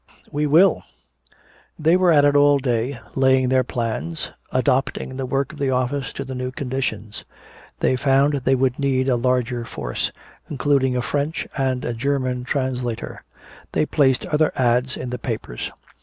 "We will!" They were at it all day, laying their plans, "adopting" the work of the office to the new conditions. They found they would need a larger force, including a French and a German translator. They placed other "ads" in the papers.